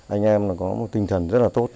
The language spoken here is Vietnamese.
anh em có tinh thần rất tốt